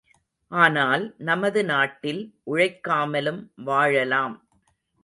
ஆனால், நமது நாட்டில் உழைக்காமலும் வாழலாம்.